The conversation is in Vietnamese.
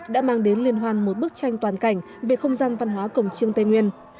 đã mang đến liên hoan một bức tranh toàn cảnh về không gian văn hóa cổng trương tây nguyên